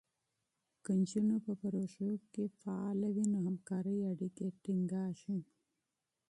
که نجونې په پروژو کې فعاله وي، نو همکارۍ اړیکې ټینګېږي.